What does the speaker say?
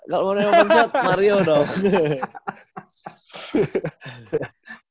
kalau mario open shot mario dong